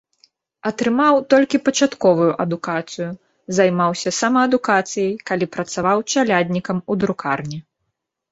Атрымаў толькі пачатковую адукацыю, займаўся самаадукацыяй, калі працаваў чаляднікам у друкарні.